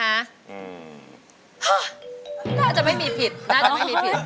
น่าจะไม่มีผิดน่าจะไม่มีผิด